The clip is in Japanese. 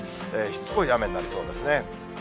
しつこい雨になりそうですね。